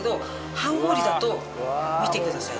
半凍りだと見てください。